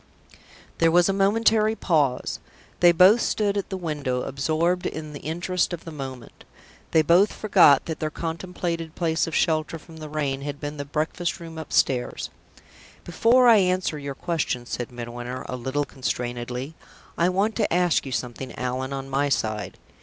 There was a momentary pause. They both stood still at the window, absorbed in the interest of the moment. They both forgot that their contemplated place of shelter from the rain had been the breakfast room upstairs. "Before I answer your question," said Midwinter, a little constrainedly, "I want to ask you something, Allan, on my side.